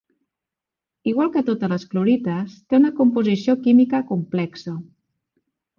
Igual que totes les clorites té una composició química complexa.